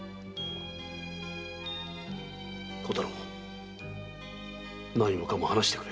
小太郎何もかも話してくれ。